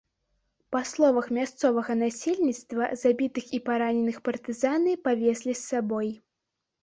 Па словах мясцовага насельніцтва забітых і параненых партызаны павезлі з сабой.